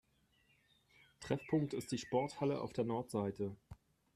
Treffpunkt ist die Sporthalle auf der Nordseite.